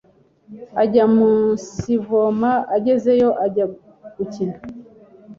ajya umunsivoma agezeyo ajya gukina